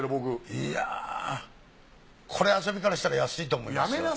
いやぁこれ遊びからしたら安いと思います。